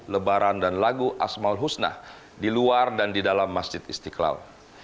lebaran dan lagu ⁇ asmaul husna di luar dan di dalam masjid istiqlal